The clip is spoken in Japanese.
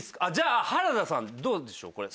あっじゃあ原田さんどうでしょう？